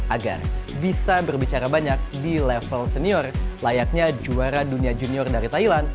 agar bisa berbicara banyak di level senior layaknya juara dunia junior dari thailand